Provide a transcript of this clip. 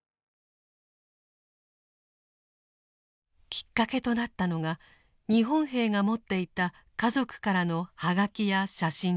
きっかけとなったのが日本兵が持っていた家族からの葉書や写真です。